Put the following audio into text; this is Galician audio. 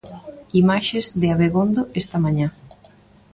Imaxes de Abegondo esta mañá.